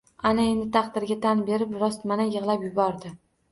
Ana endi taqdirga tan berib rostmana yig‘lab yubordi.